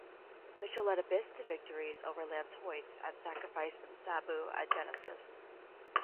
Mitchell led Abyss to victories over Lance Hoyt at Sacrifice and Sabu at Genesis.